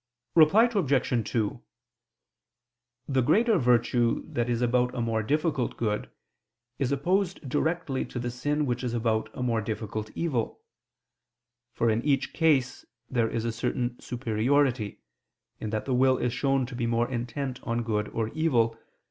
Reply Obj. 2: The greater virtue that is about a more difficult good is opposed directly to the sin which is about a more difficult evil. For in each case there is a certain superiority, in that the will is shown to be more intent on good or evil, through not being overcome by the difficulty. Reply Obj.